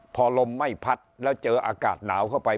พอลมไม่พัดแล้วเจออากาศหนาวเข้าไป